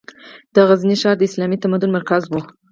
د غزني ښار د اسلامي تمدن مرکز و.